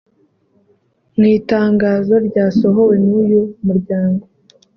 Mu itangazo ryasohowe n’uyu muryango